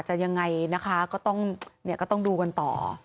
จะยังไงนะคะก็ต้องดูกันต่อ